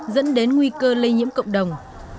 dẫn đến nguy cơ lây nhiễm cộng đồng